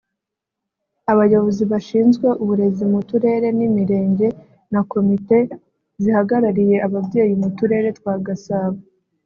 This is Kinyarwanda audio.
abayobozi bashinzwe uburezi mu turere n’imirenge na komite zihagarariye ababyeyi mu turere twa Gasabo